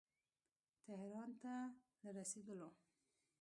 تهران ته له رسېدلو.